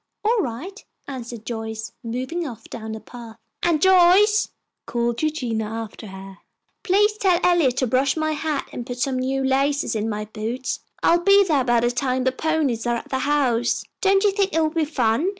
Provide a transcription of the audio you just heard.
"All right," answered Joyce, moving off down the path. "And Joyce," called Eugenia after her, "please tell Eliot to brush my hat and put some new laces in my boots. I'll be there by the time the ponies are at the house. Don't you think it will be fun?"